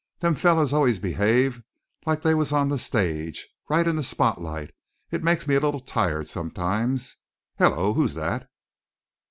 "Them fellers always behave like they was on the stage, right in the spot light. It makes me a little tired, sometimes. Hello! Who's that?"